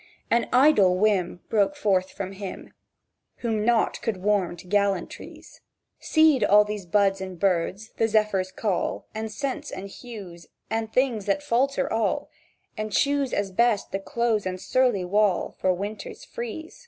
"An idle whim!" Broke forth from him Whom nought could warm to gallantries: "Cede all these buds and birds, the zephyr's call, And scents, and hues, and things that falter all, And choose as best the close and surly wall, For winters freeze."